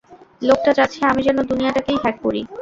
লোকটা চাচ্ছে আমি যেন দুনিয়াটাকেই হ্যাক করি!